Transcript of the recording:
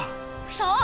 そう。